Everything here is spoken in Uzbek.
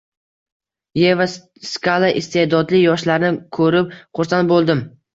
Yeva Skalla: “Iste’dodli yoshlarni ko‘rib xursand bo‘ldim”ng